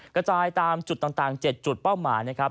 กระจายตามจุดต่าง๗จุดเป้าหมายนะครับ